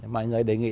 mọi người đề nghị